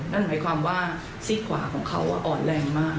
นั่นหมายความว่าซี่ขวาของเขาอ่อนแรงมาก